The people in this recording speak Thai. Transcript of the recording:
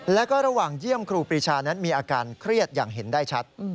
แล้วก็ระหว่างเยี่ยมครูปรีชานั้นมีอาการเครียดอย่างเห็นได้ชัด